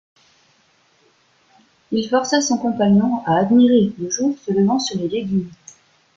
Il força son compagnon à admirer le jour se levant sur les légumes.